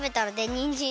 にん！じん！